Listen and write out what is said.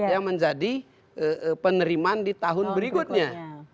yang menjadi penerimaan di tahun berikutnya